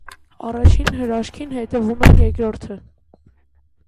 Առաջին «հրաշքին» հետևում է երկրորդը։